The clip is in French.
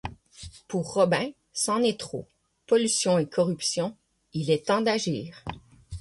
Pour Robin, c'en est trop, pollution et corruption, il est temps d'agir...